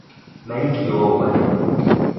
Make your way.